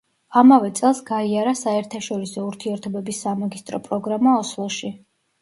ამავე წელს გაიარა საერთაშორისო ურთიერთობების სამაგისტრო პროგრამა ოსლოში.